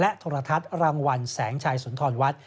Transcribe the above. และธรทัศน์รางวัลแสงชัยศูนย์ธรรมวัตร